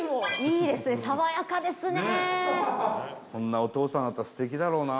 伊達：こんなお父さんだったら素敵だろうな。